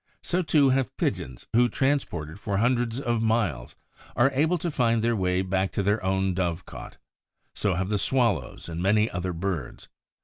So, too, have Pigeons, who, transported for hundreds of miles, are able to find their way back to their own dove cot; so have the Swallows and many other birds.